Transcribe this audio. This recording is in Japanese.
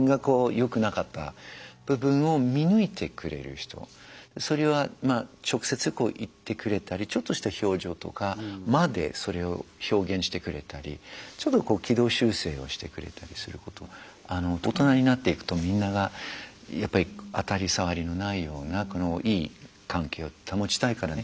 僕はそれは直接言ってくれたりちょっとした表情とかまでそれを表現してくれたりちょっと軌道修正をしてくれたりすること大人になっていくとみんながやっぱり当たり障りのないようないい関係を保ちたいからね。